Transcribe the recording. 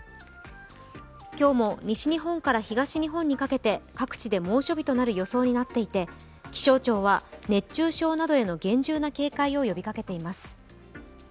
今日も西日本から東日本にかけて各地で猛暑日となる予想になっていて、気象庁は熱中症などへの厳重な警戒を呼びかけています。